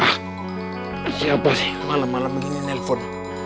ah siapa sih malam malam begini nelfon